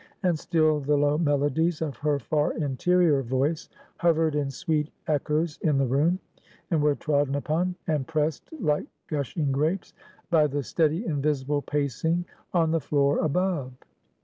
And still, the low melodies of her far interior voice hovered in sweet echoes in the room; and were trodden upon, and pressed like gushing grapes, by the steady invisible pacing on the floor above.